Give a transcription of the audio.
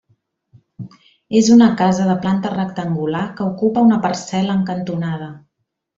És una casa de planta rectangular que ocupa una parcel·la en cantonada.